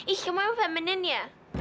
ih kamu emang feminine ya